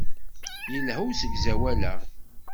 Yelha usegzawal-a.